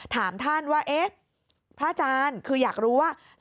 ถามท่านว่าเอ๊ะพระอาจารย์คืออยากรู้ว่า